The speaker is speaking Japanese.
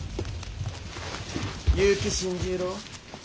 結城新十郎。